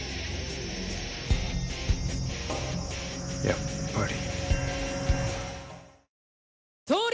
やっぱり。